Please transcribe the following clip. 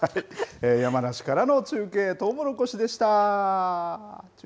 山梨からの中継、とうもろこしでした。